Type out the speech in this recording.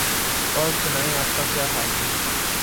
اور سنائیں آپ کا کیا حال ہے؟